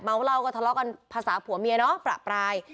เหล้าก็ทะเลาะกันภาษาผัวเมียเนาะประปราย